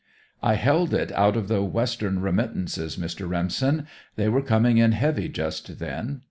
"I held it out of the Western remittances, Mr. Remsen. They were coming in heavy just then.